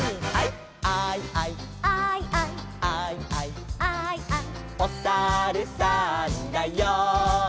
「アイアイ」「アイアイ」「アイアイ」「アイアイ」「おさるさんだよ」